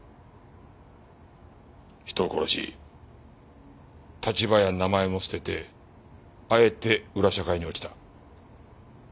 人を殺し立場や名前も捨ててあえて裏社会に落ちた。